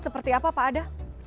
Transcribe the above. seperti apa pak ada